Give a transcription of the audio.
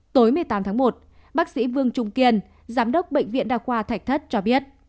tối một mươi tám tháng một bác sĩ vương trung kiên giám đốc bệnh viện đa khoa thạch thất cho biết